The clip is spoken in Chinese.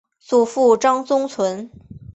祖父张宗纯。